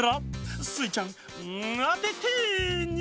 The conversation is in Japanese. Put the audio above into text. スイちゃんあててニャ！